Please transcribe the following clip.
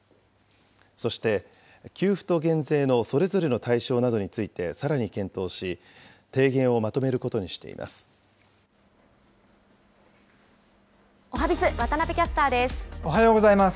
そして、給付と減税のそれぞれの対象などについてさらに検討し、おはＢｉｚ、おはようございます。